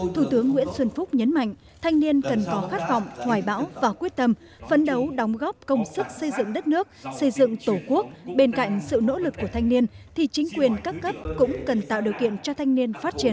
thủ tướng nguyễn xuân phúc nhấn mạnh thanh niên cần có khát vọng hoài bão và quyết tâm phấn đấu đóng góp công sức xây dựng đất nước xây dựng tổ quốc bên cạnh sự nỗ lực của thanh niên thì chính quyền các cấp cũng cần tạo điều kiện cho thanh niên phát triển